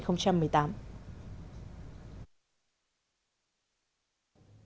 theo cục tham mưu cảnh sát bộ công an